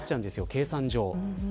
計算上。